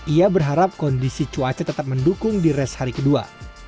ia berharap kondisi cuaca tetap mendukung di race hari kedua